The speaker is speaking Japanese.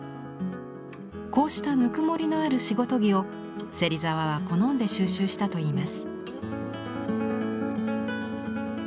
こうしたぬくもりのある仕事着を芹沢は好んで収集したといいます。